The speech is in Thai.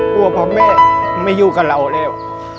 พ่อแม่ไม่อยู่กับเราแล้ว